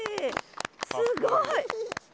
すごい。